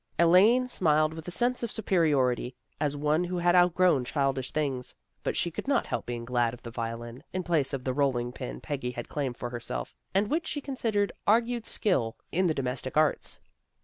Elaine smiled with a sense of superiority, as one who has outgrown childish things, but she could not help being glad of the violin, in place of the rolling pin Peggy had claimed for herself, and which she considered argued skill in the domestic arts.